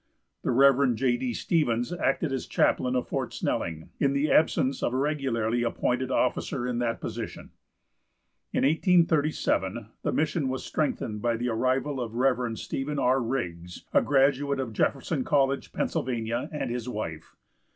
The Rev. J. D. Stevens acted as chaplain of Fort Snelling, in the absence of a regularly appointed officer in that position. In 1837 the mission was strengthened by the arrival of the Rev. Stephen R. Riggs, a graduate of Jefferson College, Pennsylvania, and his wife.